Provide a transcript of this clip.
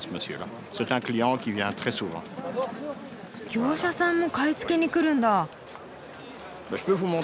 業者さんも買い付けに来るんだ。